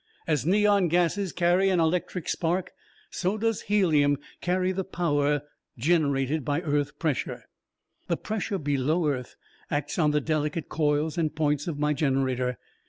As neon gases carry an electric spark, so does this helium carry the power generated by earth pressure. The pressure below earth acts on the delicate coils and points of my generator.